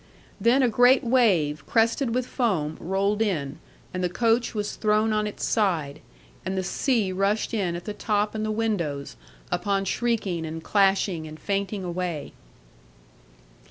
Then a great wave, crested with foam, rolled in, and the coach was thrown on its side, and the sea rushed in at the top and the windows, upon shrieking, and clashing, and fainting away.